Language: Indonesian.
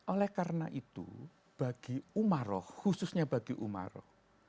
oleh karena itu bagi umaroh khususnya bagi umaroh